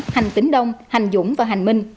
hành tỉnh đông hành dũng và hành minh